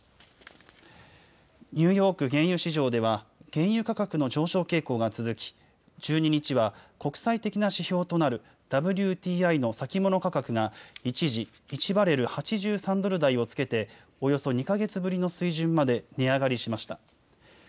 ニューヨーク原油市場では原油価格の上昇傾向が続き１２日は国際的な指標となるＷＴＩの先物価格が一時、１バレル８３ドル台をつけておよそ２か月ぶりの水準まで値上がりしました。